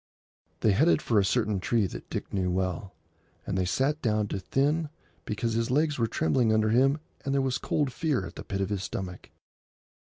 They headed for a certain tree that Dick knew well, and they sat down to think, because his legs were trembling under him and there was cold fear at the pit of his stomach.